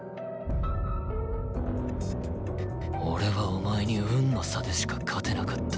俺はお前に運の差でしか勝てなかった。